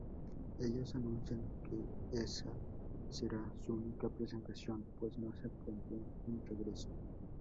Ellos anuncian que esa será su única presentación, pues no se plantean un regreso.